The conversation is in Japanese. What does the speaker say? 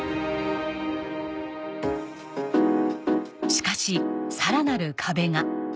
しかしさらなる壁が。